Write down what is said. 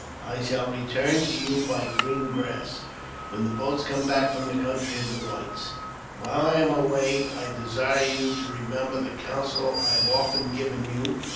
I shall return to you by Green Grass, when the boats come back from the country of the whites. While I am away, I desire you to remember the counsel I have often given you.